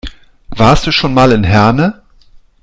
Warst du schon mal in Herne?